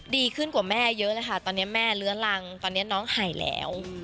ดีขึ้นกว่าแม่เยอะเลยค่ะตอนนี้แม่เลื้อรังตอนนี้น้องหายแล้ว